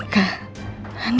bagi adeknya dia bersiap iklamnya